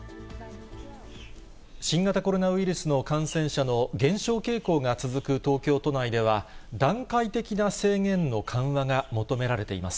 新型コロナウイルスの感染者の減少傾向が続く東京都内では、段階的な制限の緩和が求められています。